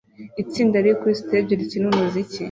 Itsinda riri kuri stage rikina umuziki